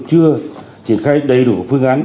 chưa triển khai đầy đủ phương án